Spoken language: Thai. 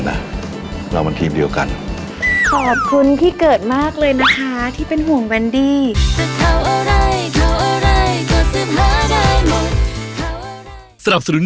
ถ้าเขาไม่รักเราเราแค่กลับมารักตัวเอง